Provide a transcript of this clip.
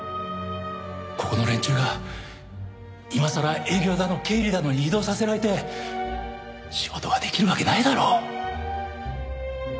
ここの連中が今さら営業だの経理だのに異動させられて仕事ができるわけないだろ。